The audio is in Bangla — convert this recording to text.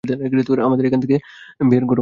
আমাদের এখান থেকে বের করো!